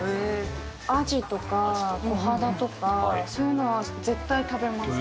アジとか、コハダとか、そういうのは絶対食べます。